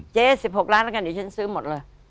๑๖ล้านแล้วกันเดี๋ยวฉันซื้อหมดเลย